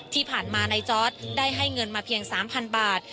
ที่ผ่านมาในจ๊อตได้ให้เงินมาเพียง๓๐๐๐บาท